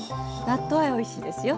納豆あえおいしいですよ。